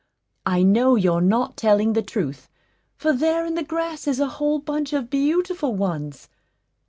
I know you're not telling the truth, for there in the grass is a whole bunch of beautiful ones.